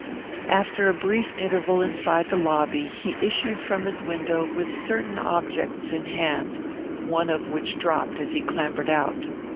After a brief interval inside the lobby he issued from his window with certain objects in hand, one of which dropped as he clambered out.